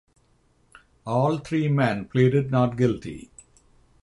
All three men pleaded not guilty.